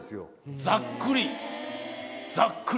ざっくり！